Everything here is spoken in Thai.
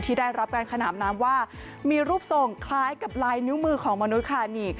ได้รับการขนามน้ำว่ามีรูปทรงคล้ายกับลายนิ้วมือของมนุษย์ค่ะนี่